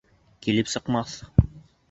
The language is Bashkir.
Килеп сыҡмаҫ!